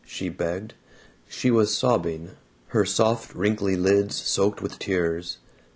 she begged. She was sobbing, her soft wrinkly lids soaked with tears.